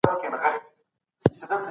هغوی د کلي د سړک د جوړولو کار کاوه.